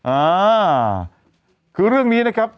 อ่าคือเรื่องนี้นะครับ